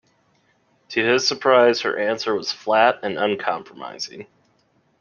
To his surprise, her answer was flat and uncompromising.